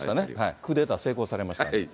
クーデター、成功されました。